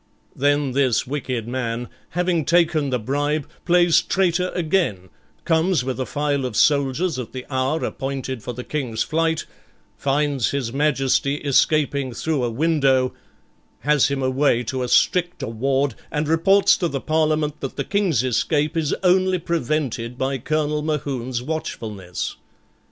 Then this wicked man, having taken the bribe, plays traitor again, comes with a file of soldiers at the hour appointed for the King's flight, finds His Majesty escaping through a window, has him away to a stricter ward, and reports to the Parliament that the King's escape is only prevented by Colonel Mohune's watchfulness.